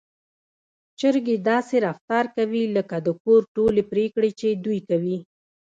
چرګې داسې رفتار کوي لکه د کور ټولې پرېکړې چې دوی کوي.